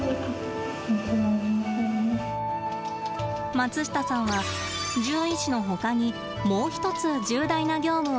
松下さんは獣医師のほかにもう一つ重大な業務を任されています。